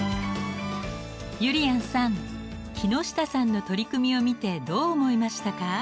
ゆりやんさん木下さんの取り組みを見てどう思いましたか？